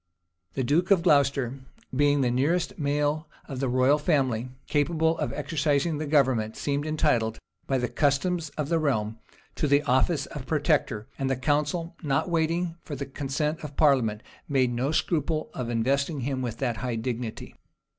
[*] The duke of Glocester, being the nearest male of the royal family capable of exercising the government, seemed entitled, by the customs of the realm, to the office of protector; and the council, not waiting for the consent of parliament, made no scruple of investing him with that high dignity.